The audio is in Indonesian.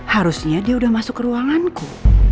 harusnya dia udah masuk ke ruanganku